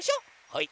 はい！